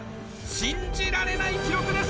信じられない記録です